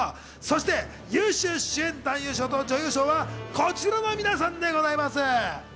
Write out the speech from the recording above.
そして優秀主演男優賞と女優賞はこちらの皆さんでございます。